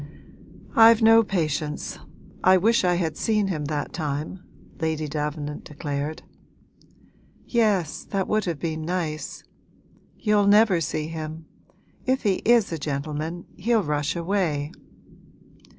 'I've no patience I wish I had seen him that time!' Lady Davenant declared. 'Yes, that would have been nice! You'll never see him; if he is a gentleman he'll rush away.'